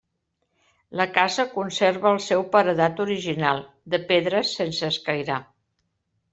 La casa conserva el seu paredat original, de pedres sense escairar.